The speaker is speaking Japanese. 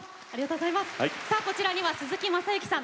さあこちらには鈴木雅之さん